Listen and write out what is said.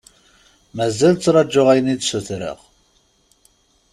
Mazal ttraǧuɣ ayen i d-sutreɣ.